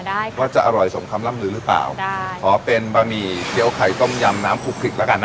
ได้ค่ะว่าจะอร่อยสมคำล่ำลือหรือเปล่าจ้ะขอเป็นบะหมี่เกี้ยวไข่ต้มยำน้ำคลุกคลิกแล้วกันนะ